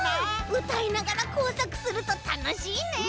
うたいながらこうさくするとたのしいね。